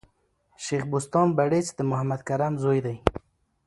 شېخ بُستان بړیځ د محمد کرم زوی دﺉ.